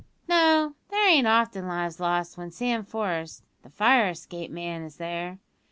"No; there ain't often lives lost when Sam Forest, the fire escape man, is there.